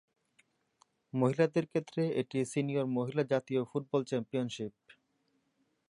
মহিলাদের ক্ষেত্রে এটি সিনিয়র মহিলা জাতীয় ফুটবল চ্যাম্পিয়নশিপ।